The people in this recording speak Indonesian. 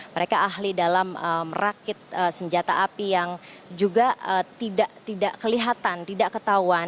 mereka ahli dalam merakit senjata api yang juga tidak kelihatan tidak ketahuan